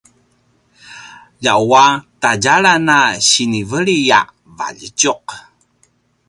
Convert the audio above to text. ljawua tadjalan a siniveli a valjitjuq